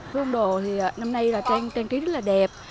phố âm đồ thì năm nay là trang trí rất là đẹp